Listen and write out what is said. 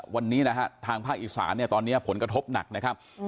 วันนี้นะฮะทางภาคอีสานเนี่ยตอนนี้ผลกระทบหนักนะครับ